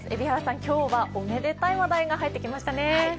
今日はおめでたい話題が入ってきましたね。